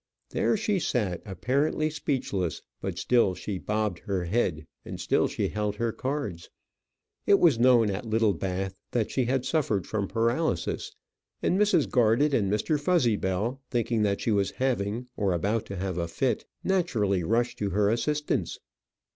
There she sat apparently speechless; but still she bobbed her head, and still she held her cards. It was known at Littlebath that she had suffered from paralysis, and Mrs. Garded and Mr. Fuzzybell thinking that she was having or about to have a fit, naturally rushed to her assistance.